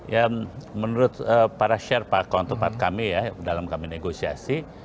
ya menurut para share pak konten pak kami ya dalam kami negosiasi